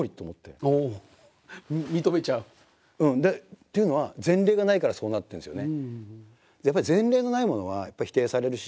っていうのは前例がないからそうなってるんですよね。